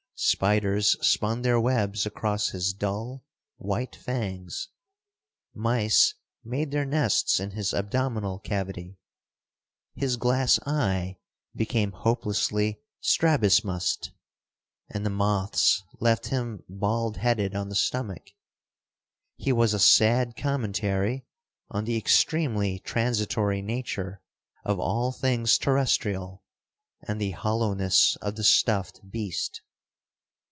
Spiders spun their webs across his dull, white fangs. Mice made their nests in his abdominal cavity. His glass eye became hopelessly strabismussed, and the moths left him bald headed on the stomach. He was a sad commentary on the extremely transitory nature of all things terrestrial and the hollowness of the stuffed beast.